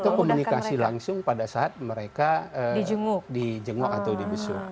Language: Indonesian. atau komunikasi langsung pada saat mereka di jenguk atau dibesuk